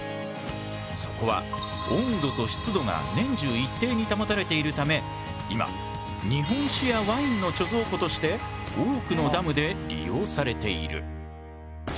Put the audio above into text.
そこは温度と湿度が年中一定に保たれているため今日本酒やワインの貯蔵庫として多くのダムで利用されている。